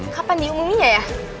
kapan diumuminya ya